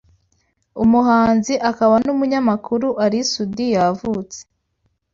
Umuhanzi akaba n’umunyamakuru Ally Soudy yavutse